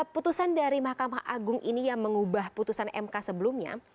putusan dari mahkamah agung ini yang mengubah putusan mk sebelumnya